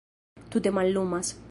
Tute mallumas.